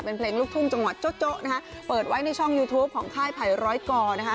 เป็นเพลงลูกทุ่งจังหวัดโจ๊ะนะคะเปิดไว้ในช่องยูทูปของค่ายไผ่ร้อยกอนะคะ